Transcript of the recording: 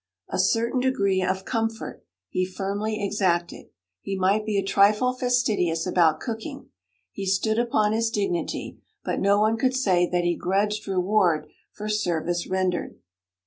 A certain degree of comfort he firmly exacted; he might be a trifle fastidious about cooking; he stood upon his dignity; but no one could say that he grudged reward for service rendered.